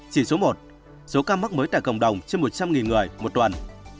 chỉ số một số ca mắc mới tại cộng đồng trên một trăm linh người một tuần